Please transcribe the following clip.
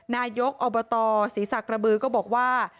นายกอบตศรีสักรบื้อก็บอกว่า